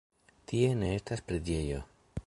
Tie ne estas preĝejo.